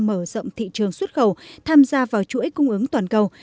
mở rộng thị trường xuất khẩu tham gia vào chuỗi cung ứng toàn cầu